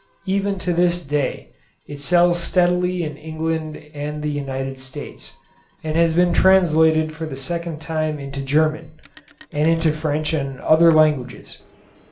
Even to this day it sells steadily in England and the United States, and has been translated for the second time into German, and into French and other languages.